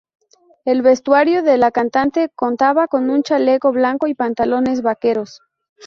El vestuario de la cantante contaba con un chaleco blanco y pantalones vaqueros.